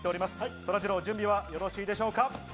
そらジロー、準備はよろしいでしょうか？